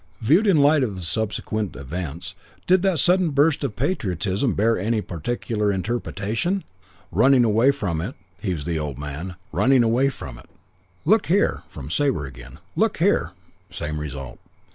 "Viewed in light of the subsequent events, did that sudden burst of patriotism bear any particular interpretation? 'Running away from it,' heaves the old man. 'Running away from it.' "'Look here ' from Sabre again. 'Look here ' Same result.